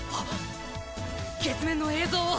月面の映像を！